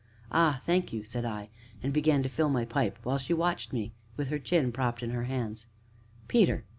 "Ah, thank you!" said I, and began to fill my pipe, while she watched me with her chin propped in her hands. "Peter!"